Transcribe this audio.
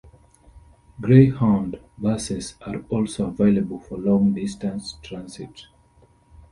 Greyhound buses are also available for long distance transit.